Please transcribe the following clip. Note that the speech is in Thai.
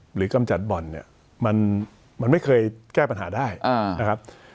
หรือกำจัดบ่อนเนี้ยมันมันไม่เคยแก้ปัญหาได้อ่านะครับ